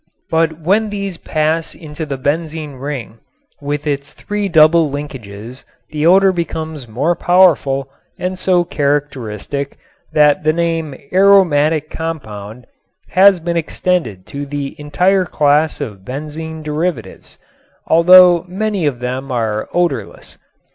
But when these pass into the benzene ring with its three double linkages the odor becomes more powerful and so characteristic that the name "aromatic compound" has been extended to the entire class of benzene derivatives, although many of them are odorless.